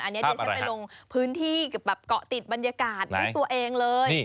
อันนี้จะไปลงพื้นที่เกาะติดบรรยากาศด้วยตัวเองเลย